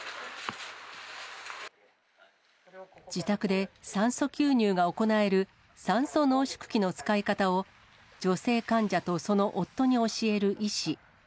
自宅で酸素吸入が行える酸素濃縮器の使い方を、女性患者とその夫に教える医師。